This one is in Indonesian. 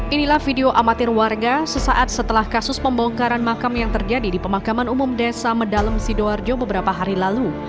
inilah video amatir warga sesaat setelah kasus pembongkaran makam yang terjadi di pemakaman umum desa medalem sidoarjo beberapa hari lalu